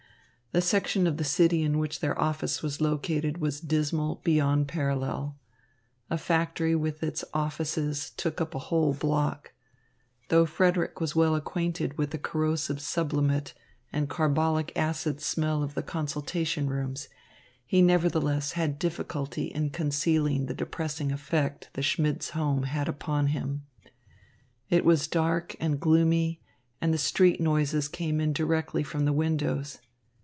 The section of the city in which their office was located was dismal beyond parallel. A factory with its offices took up a whole block. Though Frederick was well acquainted with the corrosive sublimate and carbolic acid smell of consultation rooms, he nevertheless had difficulty in concealing the depressing effect the Schmidts' home had upon him. It was dark and gloomy, and the street noises came in directly from the windows.